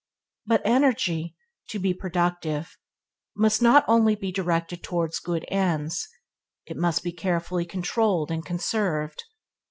But energy, to be productive, must not only be directed towards good ends, it must be carefully controlled and conserved.